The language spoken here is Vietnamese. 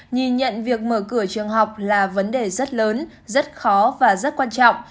nhìn nhận việc mở cửa trường học là vấn đề rất lớn rất khó và rất quan trọng